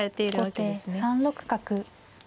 後手３六角。